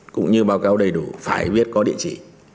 cũng như báo cáo đầy đủ phải viết có địa chỉ